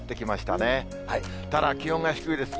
ただ気温が低いです。